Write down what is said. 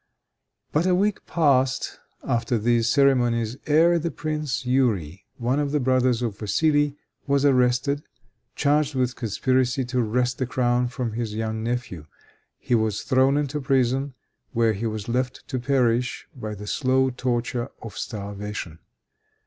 But a week passed after these ceremonies ere the prince Youri, one of the brothers of Vassili, was arrested, charged with conspiracy to wrest the crown from his young nephew. He was thrown into prison, where he was left to perish by the slow torture of starvation.